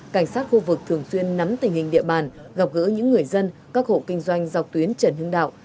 cảnh sát khu vực thường xuyên nắm tình hình địa bàn gặp gỡ những người dân các hộ kinh doanh dọc tuyến trần hưng đạo